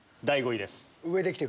第５位です。